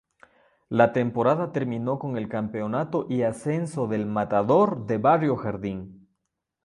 La temporada terminó con el campeonato y ascenso del "Matador" de Barrio Jardín.